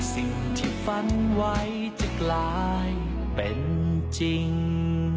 สิ่งที่ฝันไว้จะกลายเป็นจริง